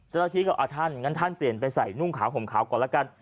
จะถือกับอาท่านงั้นท่านเปลี่ยนไปใส่นุ่มขาวห่วงขาวก่อนแล้วกัน